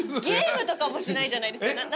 ゲームとかもしないじゃないですか。